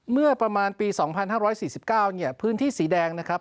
เมื่อประมาณปี๒๕๔๙เนี่ยพื้นที่สีแดงนะครับ